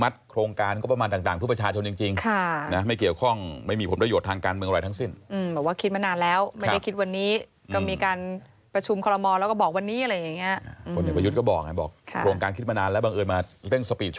แต่ผมไม่คิดว่าจะได้เสียงมากเท่าไหร่